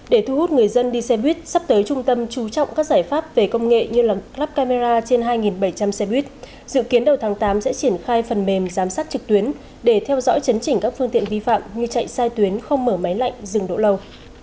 để thu hút người dân đi xe buýt sắp tới trung tâm chú trọng các giải pháp về công nghệ như lắp camera trên hai bảy trăm linh xe buýt dự kiến đầu tháng tám sẽ triển khai phần mềm giám sát trực tuyến để theo dõi chấn chỉnh các phương tiện vi phạm như chạy sai tuyến không mở máy lạnh dừng độ lâu